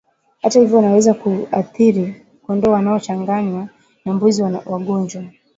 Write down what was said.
Hata hivyo unaweza kuathiri kondoo wanaochanganywa na mbuzi wagonjwa